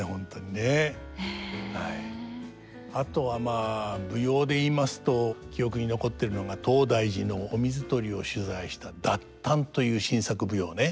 あとはまあ舞踊で言いますと記憶に残ってるのが東大寺のお水取りを取材した「達陀」という新作舞踊ね。